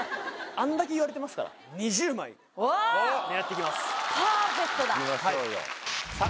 あんだけ言われてますから２０枚狙っていきますいきましょうよさあ